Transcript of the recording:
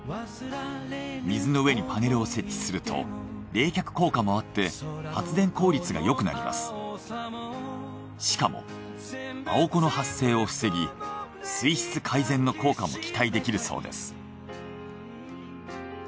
水の上にパネルを設置すると冷却効果もあってしかもアオコの発生を防ぎ水質改善の効果も期待できるそうです。